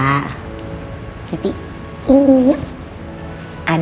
jadi kapanpun lo butuh gue gue pasti dengerin cerita lo semua